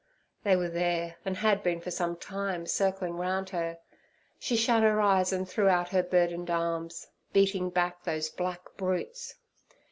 They were there, and had been for some time, circling round her. She shut her eyes, and threw out her burdened arms, beating back those black brutes.